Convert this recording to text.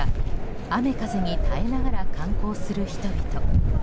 雨風に耐えながら観光する人々。